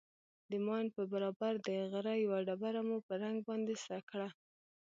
د ماين پر برابر د غره يوه ډبره مو په رنگ باندې سره کړه.